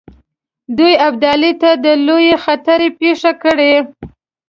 دوی ابدالي ته د لویې خطرې پېښه کړي.